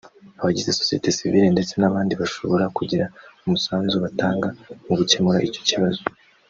abagize sosiyete civile ndetse n’abandi bashobora kugira umusanzu batanga mu gukemura icyo kibazo